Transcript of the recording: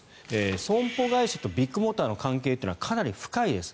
損保会社とビッグモーターの関係はかなり深いです。